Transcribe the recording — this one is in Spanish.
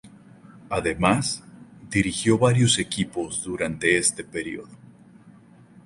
Además, dirigió varios equipos durante este período.